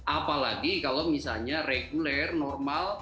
apalagi kalau misalnya reguler normal